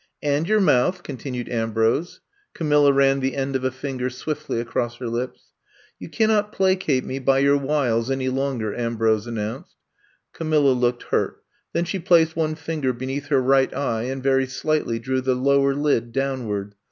And your mouth,'* continued Ambrose. Camilla ran the end of a finger swiftly across her lips. You cannot placate me by your wiles any longer," Ambrose announced. Ca milla looked hurt, then she placed one finger beneath her right eye and very slightly drew the lower lid downward.